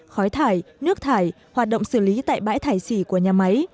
khói thải nước thải hoạt động xử lý tại bãi thải xỉ của nhà máy